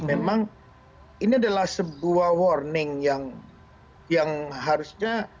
memang ini adalah sebuah warning yang harusnya